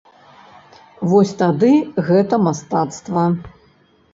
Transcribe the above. Вось тады гэта мастацтва.